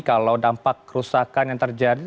kalau dampak kerusakan yang terjadi